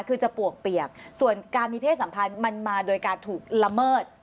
คือจะปวกเปียกส่วนการมีเพศสัมพันธ์มันมาโดยการถูกละเมิด